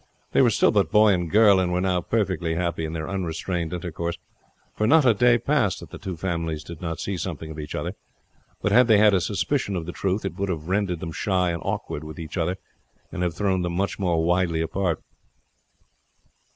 They were still but boy and girl, and were now perfectly happy in their unrestrained intercourse, for not a day passed that the two families did not see something of each other; but had they had a suspicion of the truth it would have rendered them shy and awkward with each other, and have thrown them much more widely apart.